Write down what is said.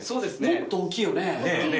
もっと大きいよね。